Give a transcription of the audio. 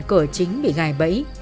cửa chính bị gài bẫy